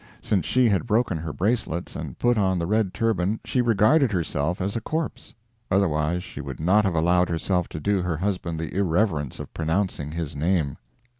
Since she had broken her bracelets and put on the red turban she regarded herself as a corpse; otherwise she would not have allowed herself to do her husband the irreverence of pronouncing his name.